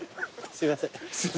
すいません。